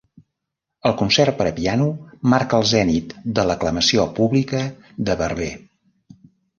El Concert per a piano marca el zenit de l'aclamació pública de Barber.